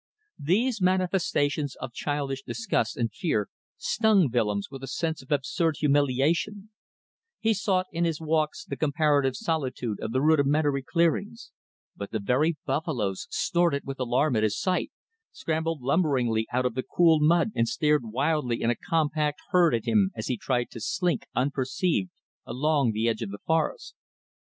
These manifestations of childish disgust and fear stung Willems with a sense of absurd humiliation; he sought in his walks the comparative solitude of the rudimentary clearings, but the very buffaloes snorted with alarm at his sight, scrambled lumberingly out of the cool mud and stared wildly in a compact herd at him as he tried to slink unperceived along the edge of the forest.